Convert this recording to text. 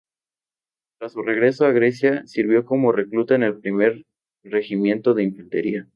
Tras su regreso a Grecia sirvió como recluta en el primer regimiento de infantería.